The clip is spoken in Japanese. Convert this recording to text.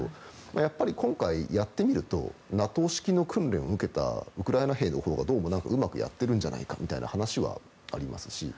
やっぱり今回、やってみるとＮＡＴＯ式の訓練を受けたウクライナ兵のほうがどうもうまくやってるんじゃないかみたいな話はありますし